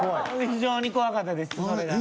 非常に怖かったですそれが。